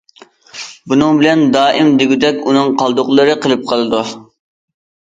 بۇنىڭ بىلەن دائىم دېگۈدەك ئۇنىڭ قالدۇقلىرى قېلىپ قالىدۇ.